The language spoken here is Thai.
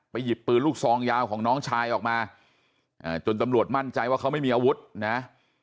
หยิบปืนลูกซองยาวของน้องชายออกมาจนตำรวจมั่นใจว่าเขาไม่มีอาวุธนะ